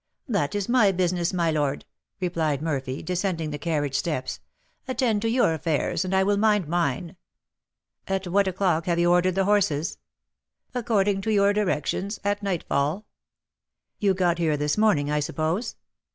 "That is my business, my lord," replied Murphy, descending the carriage steps; "attend to your affairs, and I will mind mine." "At what o'clock have you ordered the horses?" "According to your directions, at nightfall." "You got here this morning, I suppose?"